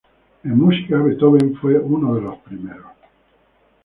En música, Beethoven fue uno de los primeros.